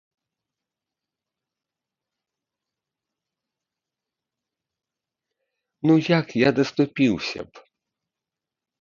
Ну, як я даступіўся б!